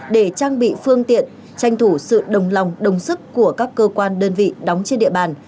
để trang bị phương tiện tranh thủ sự đồng lòng đồng sức của các cơ quan đơn vị đóng trên địa bàn